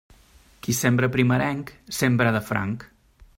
Qui sembra primerenc, sembra de franc.